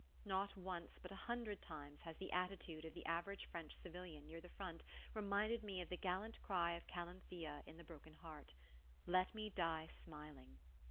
Not once but a hundred times has the attitude of the average French civilian near the front reminded me of the gallant cry of Calanthea in The Broken Heart: "Let me die smiling!"